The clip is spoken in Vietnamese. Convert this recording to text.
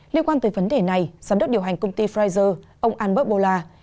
liên quan tới vấn đề này giám đốc điều hành công ty pfizer ông albert bourla